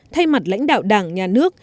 thay mặt lãnh đạo đảng nhà nước